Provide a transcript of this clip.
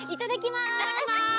いただきます！